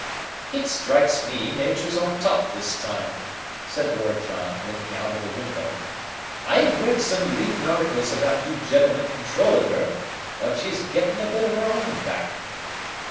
"It strikes me nature's on top this time," said Lord John, looking out of the window. "I've read some leadin' articles about you gentlemen controllin' her, but she's gettin' a bit of her own back."